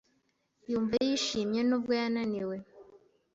Yumva yishimye nubwo yananiwe.